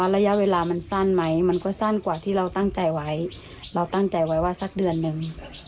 เร็วไปจริง